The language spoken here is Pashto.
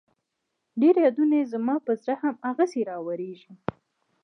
ډېر يادونه يې زما په زړه هم هغسې راوريږي